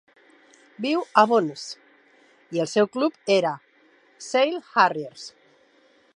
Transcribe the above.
Viu a Bo'ness i el seu club era Sale Harriers.